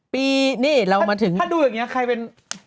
ปีนี่เรามาถึงถ้าดูอย่างนี้ใครเป็น